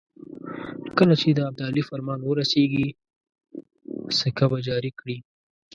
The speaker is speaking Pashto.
کله چې د ابدالي فرمان ورسېږي سکه به جاري کړي.